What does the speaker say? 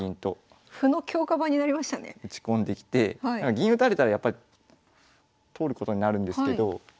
銀打たれたらやっぱり取ることになるんですけど。